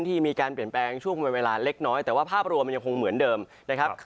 แต่ว่าภาพรวมมันยังคงเหมือนเดิมนะครับ